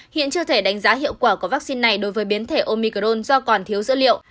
hiện chưa thể đánh giá hiệu quả của vaccine này đối với biến thể omicron do còn thiếu dữ liệu